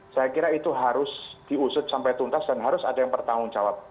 saya kira itu harus diusut sampai tuntas dan harus ada yang bertanggung jawab